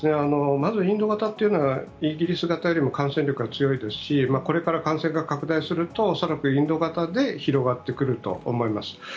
まずインド型というのはイギリス型よりも感染力が強いですしこれから感染が拡大すると恐らくインド型で広がってくると思います。